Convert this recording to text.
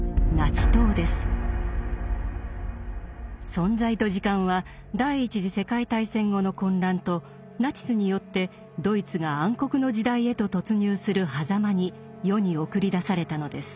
「存在と時間」は第一次世界大戦後の混乱とナチスによってドイツが暗黒の時代へと突入するはざまに世に送り出されたのです。